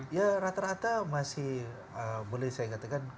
ya rata rata masih boleh saya katakan